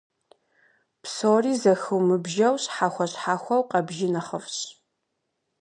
Псори зэхыумыбжэу, щхьэхуэ-щхьэхуэу къэбжи нэхъыфӏщ.